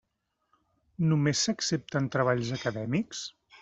Només s'accepten treballs acadèmics?